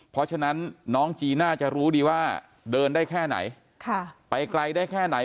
เพราะฉะนั้นน้องจีน่าจะรู้ดีว่าเดินได้แค่ไหนไปไกลได้แค่ไหน